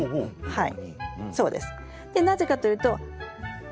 はい。